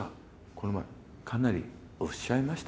この前かなりおっしゃいましたね」